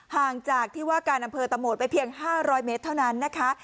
ห่างจากที่ว่าการอำเภอตะโหมดไปเพียง๕๐๐เมตรเท่านั้นนะคะ